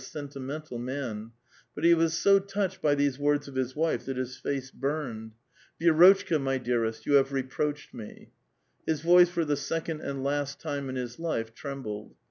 248 WL sentimental man, but be was so toucbed by tbese words of bis wife tbat bis face burned :—*' Vi^rotebka, my dearest, you bave reproacbed me." Eis voice for tbe second and last time in bis life trembled.